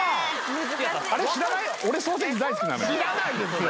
知らないですよ。